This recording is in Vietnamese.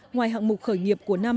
ngoài hạng mục khởi nghiệp của năm